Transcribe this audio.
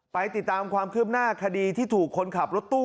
ไปติดตามความคืบหน้าคดีที่ถูกคนขับรถตู้